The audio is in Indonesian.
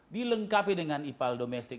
dilengkapi dengan ipal domestik